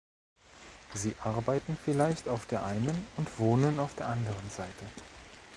Sie arbeiten vielleicht auf der einen und wohnen auf der anderen Seite.